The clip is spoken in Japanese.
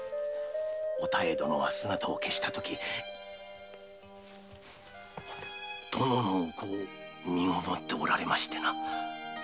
お妙殿は姿を消したとき殿のお子を身籠っておられましてな。